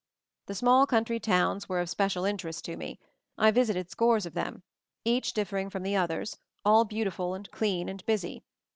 The small country towns were of special interest to me; I visited scores of them; each differing from the others, all beautiful and clean and busy.